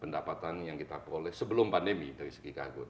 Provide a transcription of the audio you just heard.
pendapatan yang kita peroleh sebelum pandemi dari segi kargo